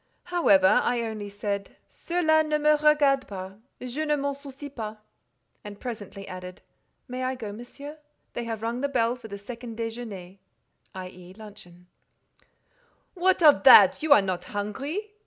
However, I only said—"Cela ne me regarde pas: je ne m'en soucie pas;" and presently added—"May I go, Monsieur? They have rung the bell for the second déjeuner" (i.e. luncheon). "What of that? You are not hungry?"